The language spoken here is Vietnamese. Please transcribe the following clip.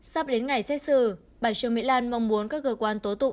sắp đến ngày xét xử bà trương mỹ lan mong muốn các cơ quan tố tụng